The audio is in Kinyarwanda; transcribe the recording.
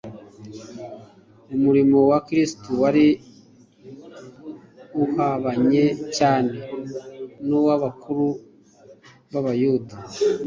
Umurimo wa Kristo wari uhabanye cyane n'uw'abakuru b'Abayuda.